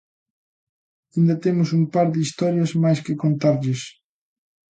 Aínda temos un par de historias máis que contarlles.